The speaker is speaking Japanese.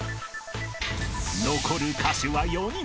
［残る歌手は４人］